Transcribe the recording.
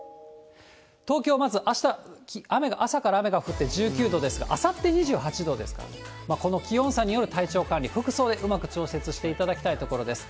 東京、まずあした、朝から雨が降って、１９度ですが、あさって２８度ですからね、この気温差による体調管理、服装でうまく調節していただきたいところです。